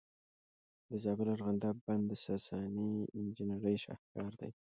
د زابل ارغنداب بند د ساساني انجینرۍ شاهکار دی